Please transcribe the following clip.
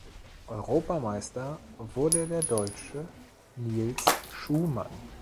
Europameister wurde der Deutsche Nils Schumann.